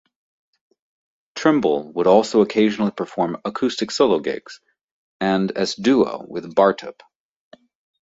Trimble would also occasionally perform acoustic solo gigs and as duo with Bartup.